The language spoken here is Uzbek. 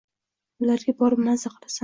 Ularga borib maza qilasan.